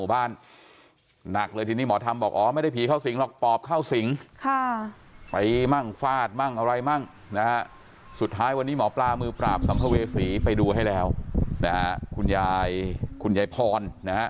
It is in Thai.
บ้านอยู่ที่โคลาสอืม